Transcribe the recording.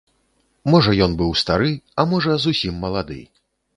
Можа ён быў стары, а можа зусім малады.